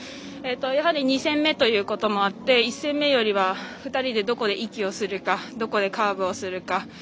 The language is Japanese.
２戦目ということもあって１戦目よりは２人でどこで息をするかどこでカーブをするか。